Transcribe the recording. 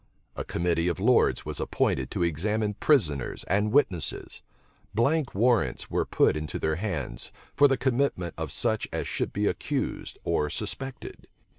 A committee of lords was appointed to examine prisoners and witnesses: blank warrants were put into their hands, for the commitment of such as should be accused or suspected.